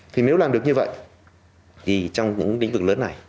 thì nếu làm được như vậy thì trong những lĩnh vực lớn này